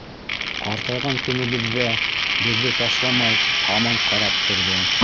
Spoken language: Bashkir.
Ҡартайған көнөбөҙҙә беҙҙе ташламай, һаман ҡарап торҙо.